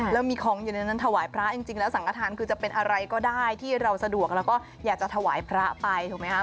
แล้วมีของอยู่ในนั้นถวายพระจริงแล้วสังกฐานคือจะเป็นอะไรก็ได้ที่เราสะดวกแล้วก็อยากจะถวายพระไปถูกไหมครับ